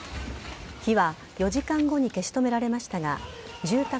火は４時間後に消し止められましたが住宅